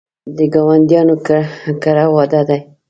د ګاونډیانو کره واده دی